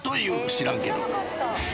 ［知らんけど］